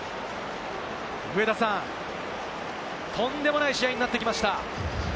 上田さん、とんでもない試合になってきました。